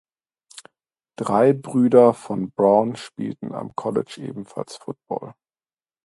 Drei Brüder von Brown spielten am College ebenfalls Football.